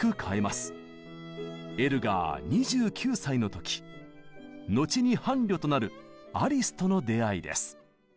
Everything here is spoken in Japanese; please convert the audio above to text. しかしエルガー２９歳の時後に伴侶となるアリスとの出会いです。